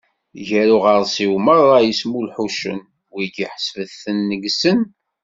Gar uɣersiw meṛṛa yesmulḥucen, wigi ḥesbet-ten neǧsen.